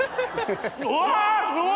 うわすごい！